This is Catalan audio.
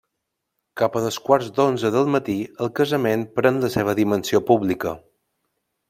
Cap a dos quarts d’onze del matí, el Casament pren la seva dimensió pública.